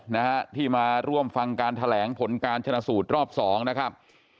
นะฮะที่มาร่วมฟังการแถลงผลการชนะสูตรรอบสองนะครับ